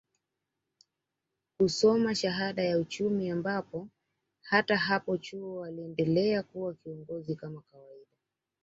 kusoma shahada ya Uchumi ambapo hata hapo chuo aliendelea kuwa kiongozi kama kawaida